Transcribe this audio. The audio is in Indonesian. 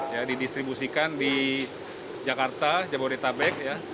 ya didistribusikan di jakarta jabodetabek